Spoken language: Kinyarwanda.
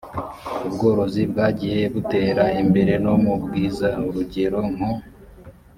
ubworozi bwagiye butera imbere no mu bwiza urugero nko